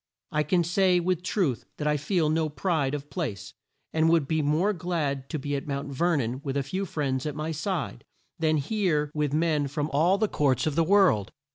I can say with truth that I feel no pride of place, and would be more glad to be at Mount Ver non with a few friends at my side, than here with men from all the courts of the world."